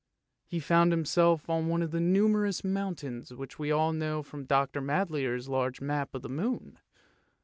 He found himself on one of the numerous mountains which we all know from Dr. Madler's large map of the moon.